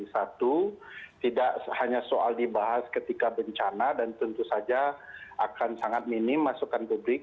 satu tidak hanya soal dibahas ketika bencana dan tentu saja akan sangat minim masukan publik